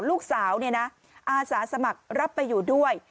ลูกสาวเนี่ยนะอาสาสมัครรับไปอยู่ด้วย